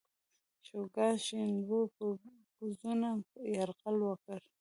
شوګان شینوبو پر پوځونو یرغل وکړ.